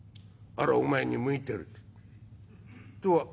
あれはお前に向いてる」と。